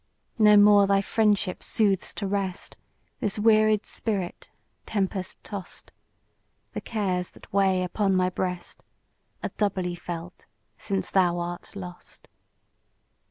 No more thy friendship soothes to rest This wearied spirit tempest toss'd; The cares that weigh upon my breast Are doubly felt since thou art lost.